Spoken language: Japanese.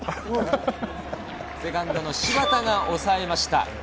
セカンドの柴田が抑えました。